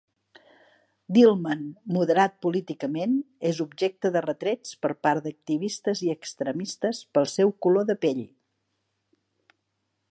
Dilman, moderat políticament, és objecte de retrets per part d'activistes i extremistes pel seu color de pell.